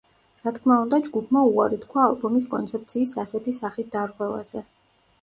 რა თქმა უნდა, ჯგუფმა უარი თქვა ალბომის კონცეფციის ასეთი სახით დარღვევაზე.